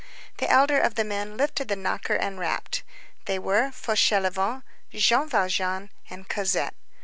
The elder of the men lifted the knocker and rapped. They were Fauchelevent, Jean Valjean, and Cosette.